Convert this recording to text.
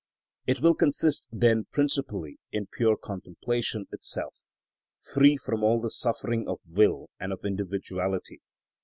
It will consist then principally in pure contemplation itself, free from all the suffering of will and of individuality.